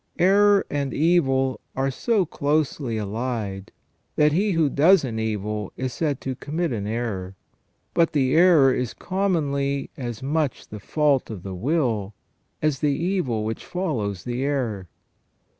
Error and evil are so closely allied, that he who does an evil is said to commit an error, but the error is commonly as much the fault of the will as the evil which follows the error.